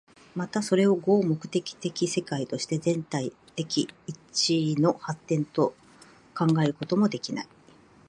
またそれを合目的的世界として全体的一の発展と考えることもできない。